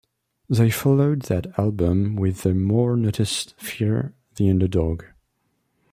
They followed that album with their more noticed fear the underdog.